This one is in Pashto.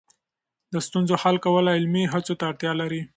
د ستونزو حل کول عملي هڅو ته اړتیا لري.